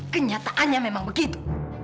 kenyataannya memang begitu